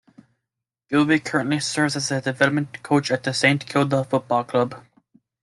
Gilbee currently serves as a development coach at the Saint Kilda Football Club.